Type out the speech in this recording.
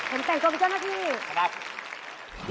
เห็นแสงโซมิชั่วนะพี่